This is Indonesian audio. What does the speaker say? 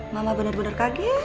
mama benar benar kaget